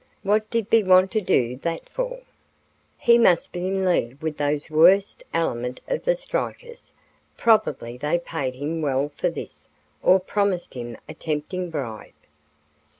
What did be want to do that for? He must be in league with the worst element of the strikers. Probably they paid him well for this, or promised him a tempting bribe."